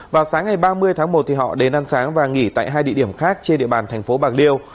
vào sáng ngày ba mươi tháng một thì họ đến ăn sáng và nghỉ tại hai địa điểm khác trên địa bàn thành phố bạc liêu